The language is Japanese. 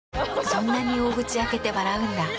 そんなに大口開けて笑うんだ。